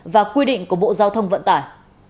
và quy định của bộ giao thông vận tải